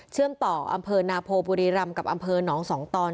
เชื่อมต่ออำเภอนาโพบุรีรำกับอนสองตอนจังหวัดขอนแก่น